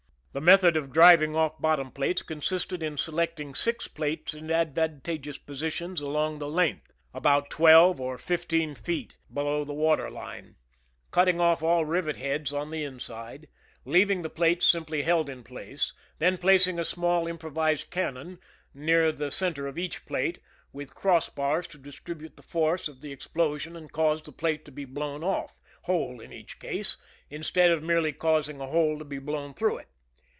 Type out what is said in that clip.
The method of driving off bottom plates consisted in selecting six plates in advantageous positions along the length, about twelve to fifteen feet below 12 THE SCHEME AND THE PREPARATIONS the water Une, cutting off all rivet heads on the inside, leaving the plates simply held in place, then placing a small improvised cannon near the center of each plate, with cross bars to distribute the force of the explosion and cause the plate to be blown off whole in each case, instead of merely causing a hole to be blown through it.